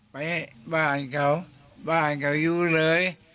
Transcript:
ให้บ้านเขาบ้านเขาอยู่เลย